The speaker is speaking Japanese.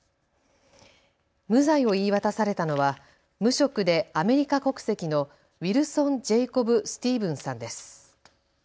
無罪を言い渡されたのは無職でアメリカ国籍のウィルソン・ジェイコブ・スティーブンさんです。